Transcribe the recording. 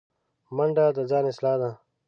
منډه د ځان اصلاح ده